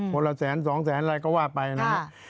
ละแสนสองแสนอะไรก็ว่าไปนะครับ